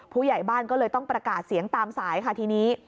ผู้ใหญ่บ้านก็เลยต้องประกาศเสียงตามสายค่ะทีนี้